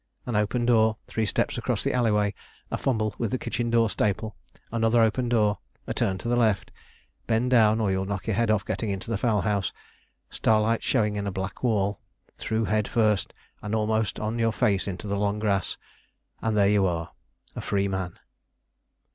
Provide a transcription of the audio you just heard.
An open door, three steps across the alley way, a fumble with the kitchen door staple; another open door, a turn to the left, bend down or you'll knock your head off getting into the fowl house, starlight showing in a black wall, through head first and almost on your face into long grass, and there you are a free man.